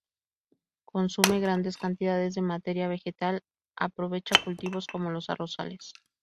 Consume grandes cantidades de materia vegetal, aprovecha cultivos como los arrozales.